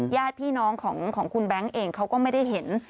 ญาติพี่น้องของคุณแบงค์เองเขาก็ไม่ได้เห็น